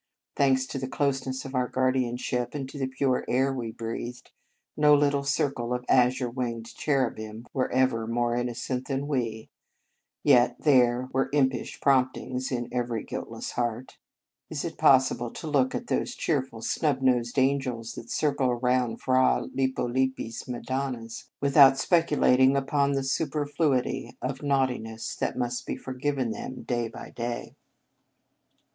Thanks to the closeness of our guardianship, and to the pure air we breathed, no little circle of azure winged cherubim were ever more innocent than we ; yet there were impish promptings in every guiltless heart. Is it possible to look at those cheerful, snub nosed angels that circle around Fra Lippo Lippi s madonnas, without speculating upon the superfluity of naughtiness that must be forgiven them day by day?